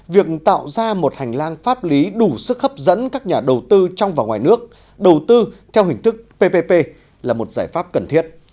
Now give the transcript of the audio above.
việc tạo ra một hành lang pháp lý đủ sức hấp dẫn các nhà đầu tư trong và ngoài nước đầu tư theo hình thức ppp là một giải pháp cần thiết